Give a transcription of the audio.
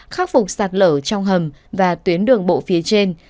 khắc phục sạt lở trong hầm và tuyến đường bộ phía trên